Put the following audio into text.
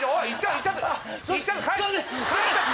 行っちゃった！